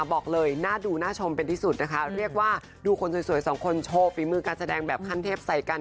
บอกเลยน่าดูน่าชมเป็นที่สุดนะคะเรียกว่าดูคนสวยสองคนโชว์ฝีมือการแสดงแบบขั้นเทพใส่กัน